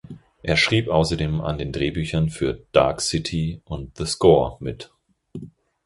Er schrieb außerdem an den Drehbüchern für "Dark City" und "The Score" mit.